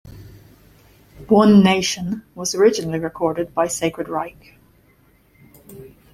"One Nation" was originally recorded by Sacred Reich.